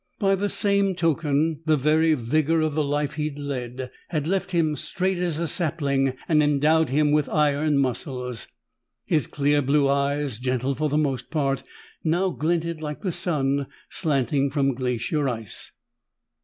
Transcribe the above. By the same token, the very vigor of the life he'd led had left him straight as a sapling and endowed him with iron muscles. His clear blue eyes, gentle for the most part, now glinted like the sun slanting from glacier ice.